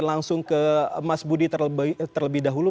langsung ke mas budi terlebih dahulu